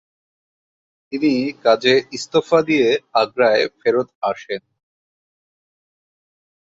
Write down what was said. তিনি কাজে ইস্তফা দিয়ে আগ্রায় ফেরৎ আসেন।